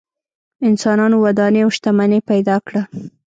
انسانانو ودانۍ او شتمنۍ پیدا کړه.